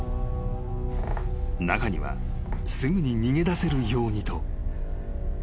［中にはすぐに逃げ出せるようにと］